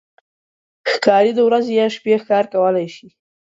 ښکاري د ورځې یا شپې ښکار کولی شي.